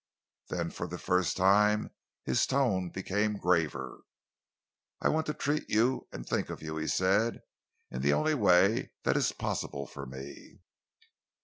Then for the first time his tone became graver. "I want to treat you and think of you," he said, "in the only way that is possible for me."